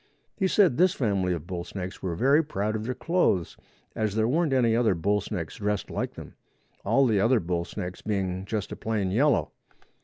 He said this family of bull snakes were very proud of their clothes, as there weren't any other bull snakes dressed like them, all the other bull snakes being just a plain yellow.